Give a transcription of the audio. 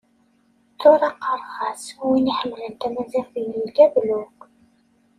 Tura qqareɣ-as:Win iḥemmlen tamaziɣt yeldi ablug.